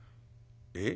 「えっ？」。